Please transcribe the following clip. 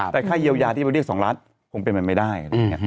แต่ค่าเยียวยาที่เราเรียก๒ล้านคงเป็นไว้ไม่ได้